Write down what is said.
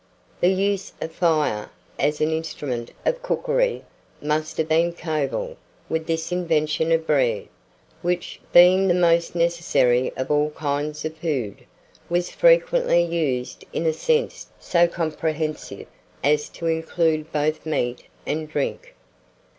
The use of fire, as an instrument of cookery, must have been coeval with this invention of bread, which, being the most necessary of all kinds of food, was frequently used in a sense so comprehensive as to include both meat and drink.